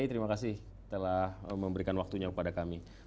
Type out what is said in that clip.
terima kasih telah memberikan waktunya kepada kami